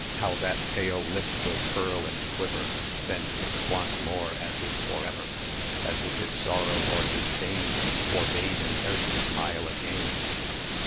How that pale lip will curl and quiver! Then fix once more as if for ever; As if his sorrow or disdain Forbade him e'er to smile again.